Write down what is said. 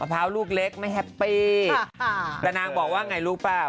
มะพร้าวลูกเล็กไม่แฮปปี้